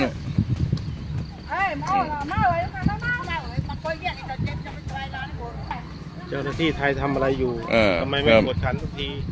เจ้าหน้าที่ไทยทำอะไรอยู่ทำไมไม่กดฉันสักที